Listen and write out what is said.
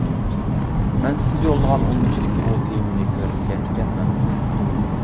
مەن سىز يوللىغان ئۇلىنىشتىكى ئۇ تېمىنى كۆرمىگەن ئىكەنمەن.